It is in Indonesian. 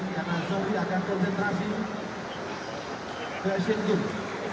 karena zohri akan konsentrasi ke esen kim